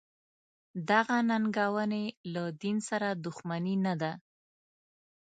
دغه ننګونې له دین سره دښمني نه ده.